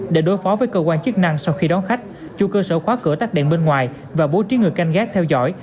để đối phó với cơ quan chức năng sau khi đón khách chủ cơ sở khóa cửa tắt đèn bên ngoài và bố trí người canh gác theo dõi